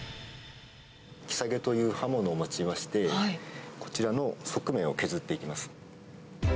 キサゲという刃物を用いまして、こちらの側面を削っていきます。